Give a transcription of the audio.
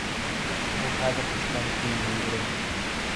— Ул хәҙер эстән көй мөңрәй.